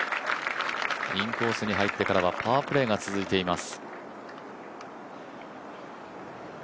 インコースに入ってからはパワープレーが続いています。